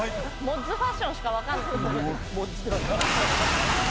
モッズファッションしか分かんない。